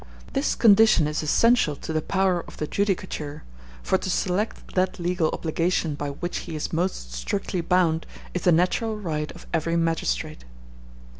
This condition is essential to the power of the judicature, for to select that legal obligation by which he is most strictly bound is the natural right of every magistrate.